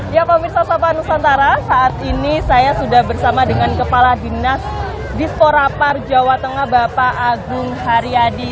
ya pak mirsa sapa nusantara saat ini saya sudah bersama dengan kepala dinas dispora par jawa tengah bapak agung haryadi